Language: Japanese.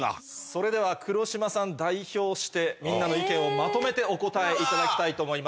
それでは黒島さん代表してみんなの意見をまとめてお答えいただきたいと思います。